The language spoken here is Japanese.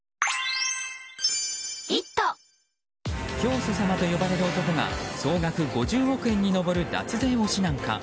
教祖様と呼ばれる男が総額５０億円に上る脱税を指南か。